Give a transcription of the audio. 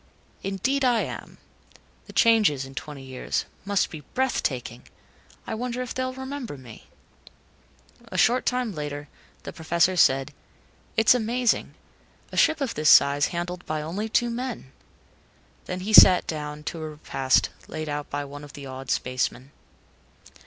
"Indeed, I am. The changes, in twenty years must be breathtaking. I wonder if they'll remember me?" A short time later, the Professor said, "It's amazing. A ship of this size handled by only two men." Then he sat down to a repast laid out by one of the awed spacemen.